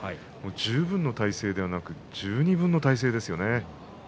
十分の体勢ではなく十二分の体勢ですよね。